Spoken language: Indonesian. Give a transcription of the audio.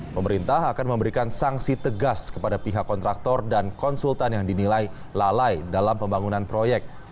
pemerintah akan memberikan sanksi tegas kepada pihak kontraktor dan konsultan yang dinilai lalai dalam pembangunan proyek